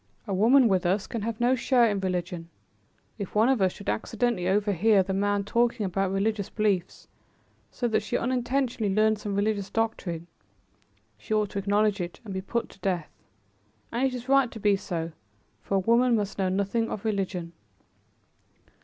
A woman with us can have no share in religion. If one of us should accidentally overhear the men talking about religious beliefs, so that she unintentionally learned some religious doctrine, she ought to acknowledge it and be put to death. And it is right to be so, for a woman must know nothing of religion."